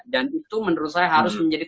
dan itu menurut saya harus menjadi